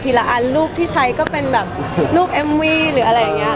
ละอันรูปที่ใช้ก็เป็นแบบรูปเอ็มวี่หรืออะไรอย่างนี้